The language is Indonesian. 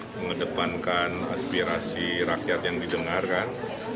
mengedepankan aspirasi rakyat yang didengarkan